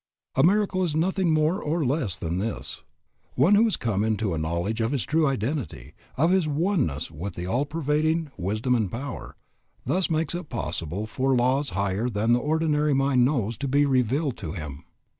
A miracle is nothing more nor less than this. One who has come into a knowledge of his true identity, of his oneness with the all pervading Wisdom and Power, thus makes it possible for laws higher than the ordinary mind knows of to be revealed to him.